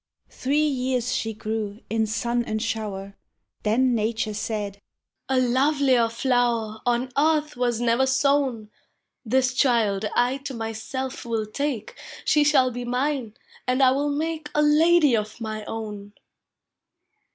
Three years she grew in sun and sliower; Then Nature said, "A lovelier llower On earth was never sown: This child I to myself will take; She shall be mine, and I will make A lady of my own.